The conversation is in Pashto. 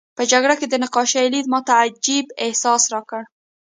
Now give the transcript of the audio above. په جګړه کې د نقاشۍ لیدل ماته عجیب احساس راکړ